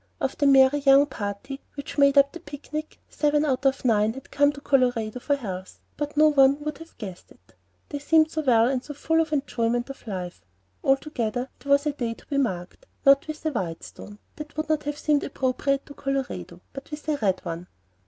Of the merry young party which made up the picnic, seven out of nine had come to Colorado for health; but no one would have guessed it, they seemed so well and so full of the enjoyment of life. Altogether, it was a day to be marked; not with a white stone, that would not have seemed appropriate to Colorado, but with a red one.